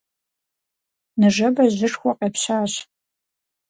Ныжэбэ жьышхуэ къепщащ.